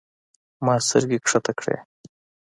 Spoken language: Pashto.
ما سترګې کښته کړې.